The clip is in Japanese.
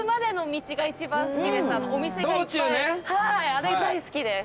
あれ大好きです。